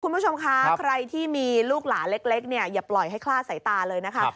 คุณผู้ชมครับใครที่มีลูกหลาเล็กอย่าปล่อยให้คลาดใส่ตาเลยนะครับ